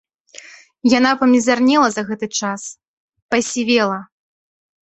Яна памізарнела за гэты час, пасівела.